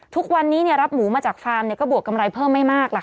ทุกวันนี้เนี่ยรับหมูมาจากฟาร์มเนี่ยก็บวกกำไรเพิ่มไม่มากล่ะค่ะ